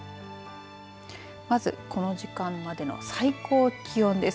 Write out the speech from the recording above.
まずこの時間までの最高気温です。